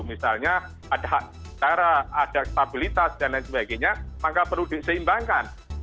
misalnya ada hak cara ada stabilitas dan lain sebagainya maka perlu diseimbangkan